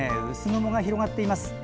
薄曇が広がっています。